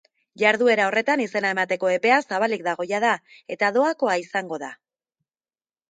Jarduera horretan izena emateko epea zabalik dago jada, eta doakoa izango da.